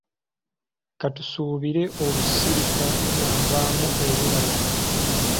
Ka tusuubire olusirika lunaavaamu ebibala.